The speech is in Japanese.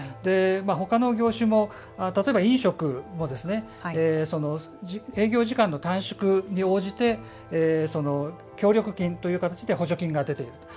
ほかの業種も例えば飲食も営業時間の短縮に応じて協力金という形で補助金が出ていると。